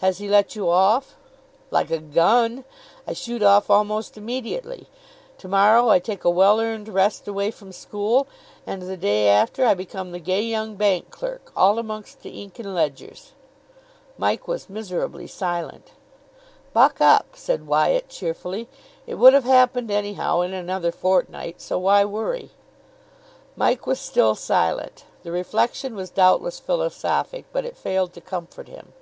"Has he let you off?" "Like a gun. I shoot off almost immediately. To morrow I take a well earned rest away from school, and the day after I become the gay young bank clerk, all amongst the ink and ledgers." Mike was miserably silent. "Buck up," said Wyatt cheerfully. "It would have happened anyhow in another fortnight. So why worry?" Mike was still silent. The reflection was doubtless philosophic, but it failed to comfort him.